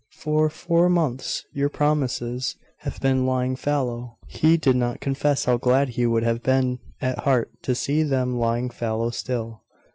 For four months your promises have been lying fallow.' She did not confess how glad she would have been at heart to see them lying fallow still.